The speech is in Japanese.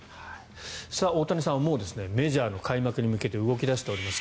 大谷さんはメジャーの開幕に向けて動き出しています。